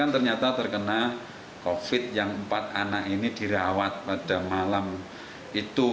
ternyata terkena covid yang empat anak ini dirawat pada malam itu